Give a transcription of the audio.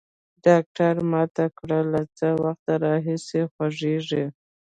ډاکتر ما ته کړه له څه وخت راهيسي خوږېږي.